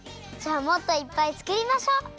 じゃあもっといっぱいつくりましょう！